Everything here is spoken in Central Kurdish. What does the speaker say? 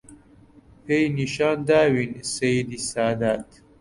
پێی نیشان داوین سەییدی سادات